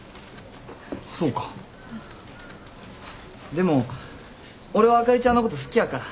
でも俺はあかりちゃんのこと好きやから。